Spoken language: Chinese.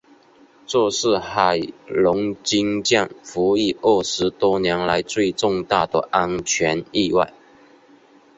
这是海龙军舰服役二十多年来最重大的安全意外。